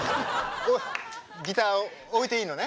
ギター置いていいのね？